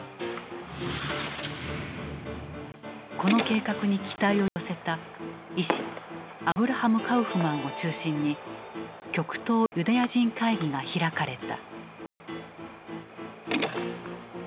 この計画に期待を寄せた医師アブラハム・カウフマンを中心に極東ユダヤ人会議が開かれた。